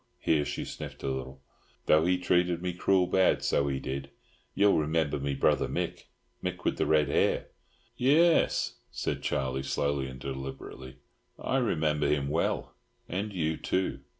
—here she sniffed a little—"though he treated me cruel bad, so he did! Ye'll remember me brother Mick—Mick with the red hair?" "Yes," said Charlie, slowly and deliberately, "I remember him well; and you too.